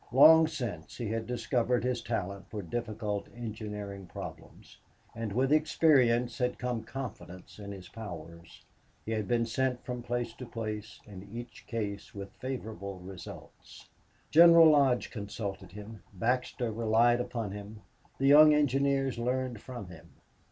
Long since he had discovered his talent for difficult engineering problems, and with experience had come confidence in his powers. He had been sent from place to place, in each case with favorable results. General Lodge consulted him, Baxter relied upon him, the young engineers learned from him.